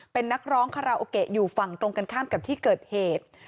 เป็นนักร้องคาราโอเกะอยู่ฝั่งตรงกันข้ามกับที่เกิดเหตุ